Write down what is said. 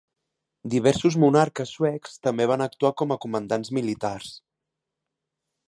Diversos monarques suecs també van actuar com a comandants militars.